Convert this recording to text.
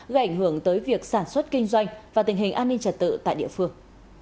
gây ảnh hưởng tới việc sản xuất kinh doanh và tình hình an ninh trật tự tại địa phương